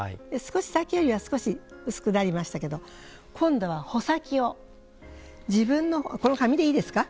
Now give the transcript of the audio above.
さっきよりは少し薄くなりましたけど今度は穂先をこの紙でいいですか？